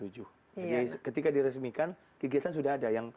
jadi ketika diresmikan kegiatan sudah ada